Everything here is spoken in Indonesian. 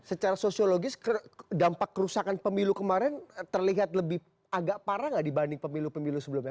secara sosiologis dampak kerusakan pemilu kemarin terlihat agak parah tidak dibanding pemilu pemilu lain